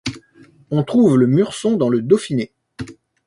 On trouve le murson dans le Dauphiné.